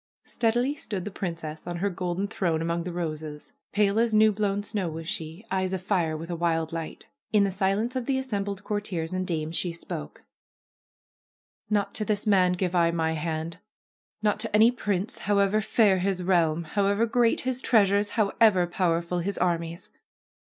Steadily stood the princess on her golden throne among the roses. Pale as new blown snow was she; eyes afire with a wild light. In the silence of the assem bled courtiers and dames she spoke: ^'Not to this man give I my hand. Not to any prince. 60 THE PRINCESS AND THE CUP BEARER however fair his realm, however great his treasure, how ever powerful his armies.